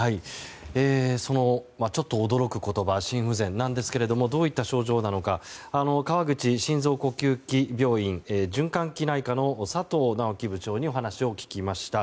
そのちょっと驚く言葉心不全なんですけどもどういった症状なのかかわぐち心臓呼吸器病院循環器内科の佐藤直樹部長に聞きました。